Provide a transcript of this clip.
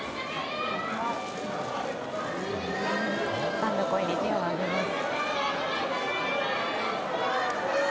ファンの声に手を上げます。